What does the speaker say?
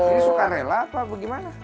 ini suka rela atau bagaimana